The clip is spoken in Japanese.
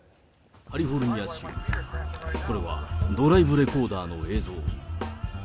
カリフォルニア州、これは、ドライブレコーダーの映像。